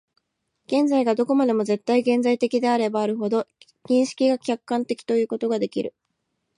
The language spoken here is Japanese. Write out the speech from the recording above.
現在がどこまでも絶対現在的であればあるほど、認識が客観的ということができる。